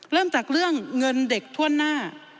เริ่มจากเรื่องเงินเด็กทั่วหน้า